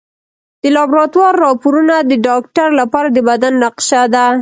د لابراتوار راپورونه د ډاکټر لپاره د بدن نقشه ده.